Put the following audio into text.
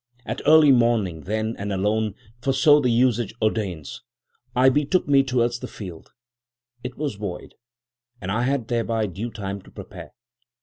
At early morning then, and alone,—for so the usage ordains,—I betook me towards the field. It was void, and I had thereby due time to prepare.